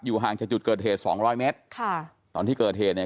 ห่างจากจุดเกิดเหตุสองร้อยเมตรค่ะตอนที่เกิดเหตุเนี่ย